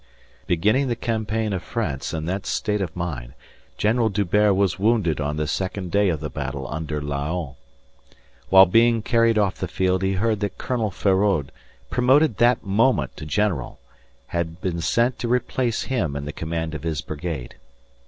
Beginning the campaign of France in that state of mind, General D'Hubert was wounded on the second day of the battle under Laon. While being carried off the field he heard that Colonel Feraud, promoted that moment to general, had been sent to replace him in the command of his brigade.